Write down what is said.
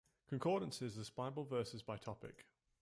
Concordances list bible verses by topic.